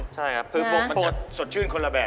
ใช่ครับสดชื่นคนละแบบ